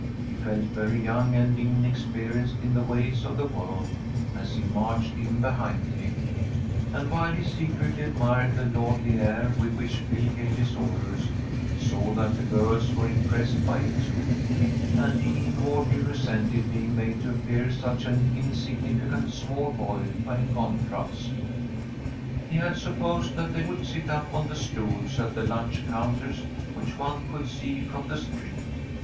He felt very young and inexperienced in the ways of the world, as he marched in behind him, and, while he secretly admired the lordly air with which Phil gave his orders, he saw that the girls were impressed by it, too, and he inwardly resented being made to appear such an insignificant small boy by contrast. He had supposed that they would sit up on the stools at the lunch counters which one could see from the street.